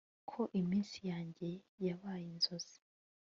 Ko iminsi yanjye yabaye inzozi